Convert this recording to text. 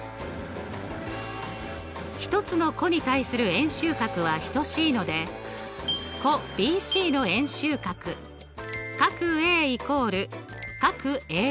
一つの弧に対する円周角は等しいので弧ＢＣの円周角角Ａ＝角Ａ’。